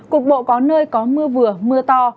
cục bộ có nơi có mưa vừa mưa to